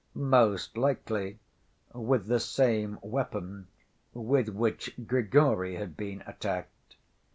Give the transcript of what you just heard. Most likely with the same weapon with which Grigory had been attacked.